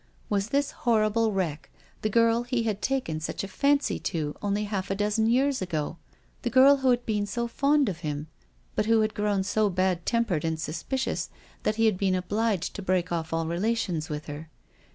Was this horrible wreck his little girl, the girl he had taken such a fancy to only a year or two ago ? The girl who had been so fond of him, but who had grown so bad tempered and suspicious that he had been obliged to break off all relations with her.